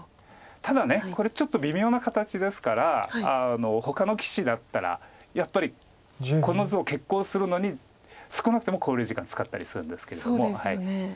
ただこれちょっと微妙な形ですからほかの棋士だったらやっぱりこの図を決行するのに少なくとも考慮時間使ったりするんですけれども。